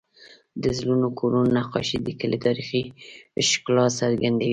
د زړو کورونو نقاشې د کلي تاریخي ښکلا څرګندوي.